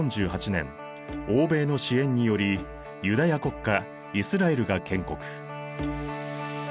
１９４８年欧米の支援によりユダヤ国家イスラエルが建国。